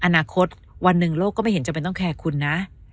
อนาคตวันหนึ่งโลกก็ไม่เห็นจำเป็นต้องแคร์คุณนะ